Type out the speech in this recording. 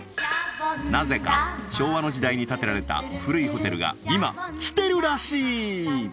なぜか昭和の時代に建てられた古いホテルが今来てるらしい！